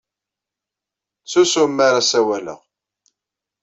Ttsusum mi ara ssawaleɣ.